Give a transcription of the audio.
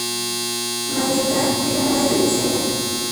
Magenta es la madre de Yesenia.